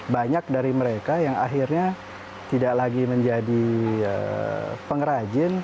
banyak dari mereka yang akhirnya tidak lagi menjadi pengrajin